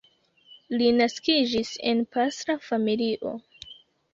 Li naskiĝis en pastra familio.